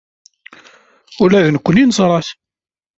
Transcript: Ula d nekkni neẓra-t.